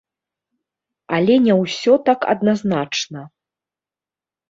Але не усё так адназначна.